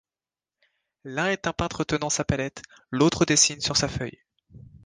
L'un est un peintre tenant sa palette, l'autre dessine sur sa feuille.